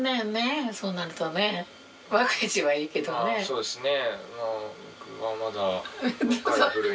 そうですね。